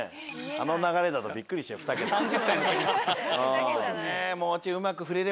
あの流れだとびっくりしちゃう２桁は。